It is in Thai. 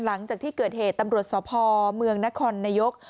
หลังจากที่เกิดเหตุตำรวจสพเมืองนครนายก